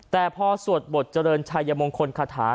แต่พอสวดบทเจริญชัยมงคลคาถา